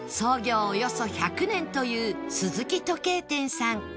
およそ１００年というスズキ時計店さん